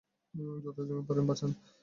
যতজনকে পারেন, বাঁচান।